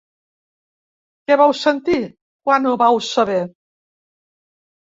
Què vau sentir, quan ho vau saber?